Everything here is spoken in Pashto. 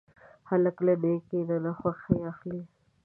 هلک له نیکۍ نه خوښي اخلي.